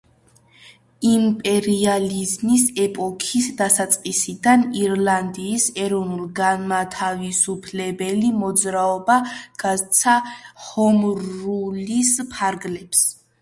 იმპერიალიზმის ეპოქის დასაწყისიდან ირლანდიის ეროვნულ-განმათავისუფლებელი მოძრაობა გასცდა ჰომრულის ფარგლებს.